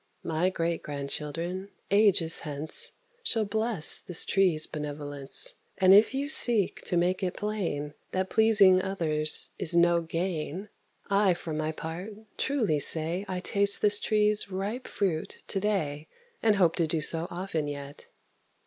My great grandchildren, ages hence, Shall bless this tree's benevolence. And if you seek to make it plain That pleasing others is no gain, I, for my part, truly say I taste this tree's ripe fruit to day, And hope to do so often yet.